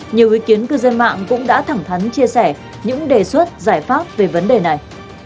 nhiều ý kiến cư dân mạng cũng đã thẳng thắn chia sẻ những đề xuất giải pháp về vấn đề này